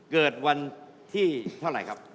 เกิดวันที่เท่าไหร่ครับ